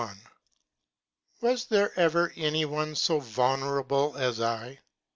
— Was there ever any 'one so vulnerable as I?